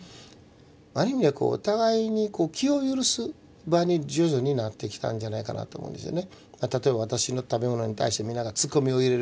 ある意味でこうお互いに気を許す場に徐々になってきたんじゃないかなと思うんですよね。